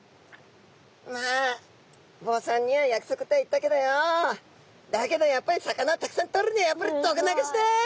「まあ坊さんには約束と言ったけどようだけどやっぱり魚をたくさんとるにはやっぱり毒流しだい。